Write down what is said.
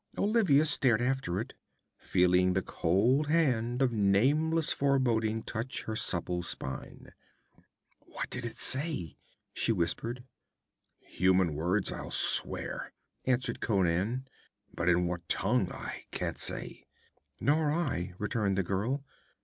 Olivia stared after it, feeling the cold hand of nameless foreboding touch her supple spine. 'What did it say?' she whispered. 'Human words, I'll swear,' answered Conan; 'but in what tongue I can't say.' 'Nor I,' returned the girl.